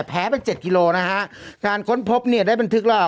แพ้เป็นเจ็ดกิโลนะฮะการค้นพบเนี่ยได้บันทึกแล้ว